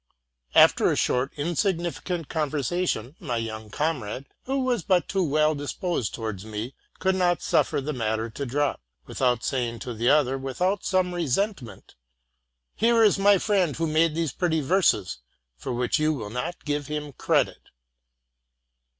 After a short, insignificant conversation, my young com rade, who was but too well disposed towards me, could not suffer the matter to drop, without saying to the other, with some resentment, '' Here is my friend who made_ those pretty verses, for which you will not give him credit!